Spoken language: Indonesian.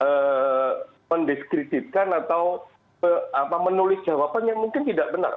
untuk mendiskreditkan atau menulis jawaban yang mungkin tidak benar